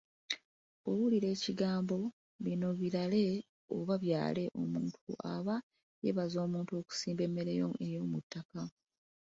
Bw’owulira ekigambo bino Biraale oba byale, omuntu aba yeebaza omuntu okusimba emmere ey’omuttaka.